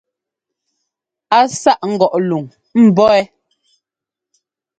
Á sâʼ ŋgɔʼ luŋ mbɔ̌ wɛ.